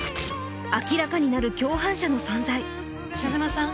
明らかになる共犯者の存在鈴間さん